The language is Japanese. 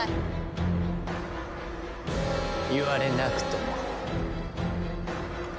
言われなくとも。